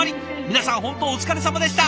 皆さん本当お疲れさまでした。